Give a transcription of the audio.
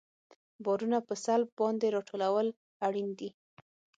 بارونه په سلب باندې راټولول اړین دي